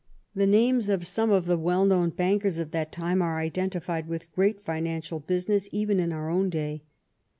The names of some of the well known bankers of that time are identified with great financial business even in our own day.